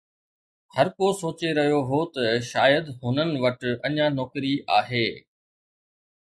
هر ڪو سوچي رهيو هو ته شايد هنن وٽ اڃا نوڪري آهي